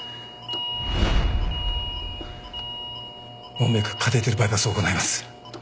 門脈カテーテルバイパスを行います。